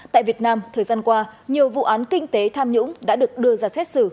tại việt nam thời gian qua nhiều vụ án kinh tế tham nhũng đã được đưa ra xét xử